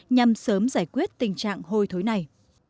nhằm sớm giải quyết tình trạng hồi thối này